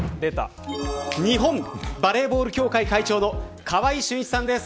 日本バレーボール協会会長の川合俊一さんです。